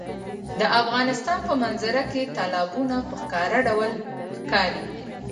د افغانستان په منظره کې تالابونه په ښکاره ډول ښکاري.